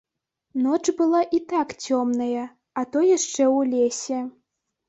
Ноч была і так цёмная, а то яшчэ ў лесе.